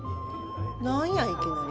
何やいきなり。